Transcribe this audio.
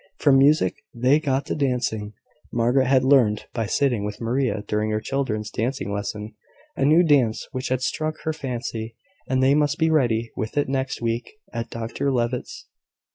From music they got to dancing. Margaret had learned, by sitting with Maria during the children's dancing lesson, a new dance which had struck her fancy, and they must be ready with it next week at Dr Levitt's.